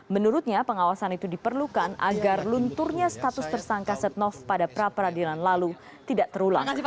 menurutnya pengawasan itu diperlukan agar lunturnya status tersangka setnov pada pra peradilan lalu tidak terulang